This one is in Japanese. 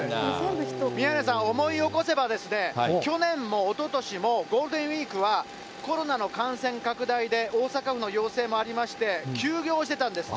宮根さん、思い起こせば、去年もおととしも、ゴールデンウィークはコロナの感染拡大で、大阪府の要請もありまして、休業してたんです。